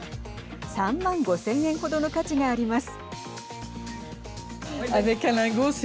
３万５０００円程の価値があります。